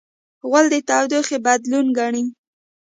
غول د تودوخې بدلون ګڼي.